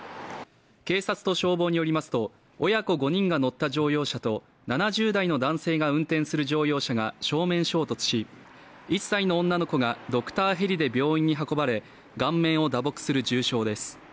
警察と消防によりますと親子５人が乗った乗用車と７０代の男性が運転する乗用車が正面衝突し、１歳の女の子がドクターヘリで病院に運ばれ顔面を打撲する重傷です。